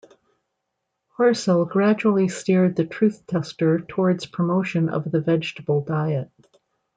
Horsell gradually steered the Truth-Tester towards promotion of the 'Vegetable Diet'.